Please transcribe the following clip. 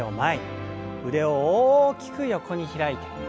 腕を大きく横に開いて。